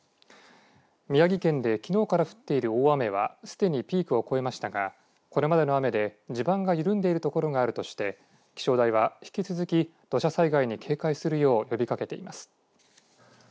宮城県で、きのうから降っている大雨はすでにピークを越えましたがこれまでの雨で地盤が緩んでいる所があるとして気象台は引き続き、土砂災害に警戒するよう呼びかけています。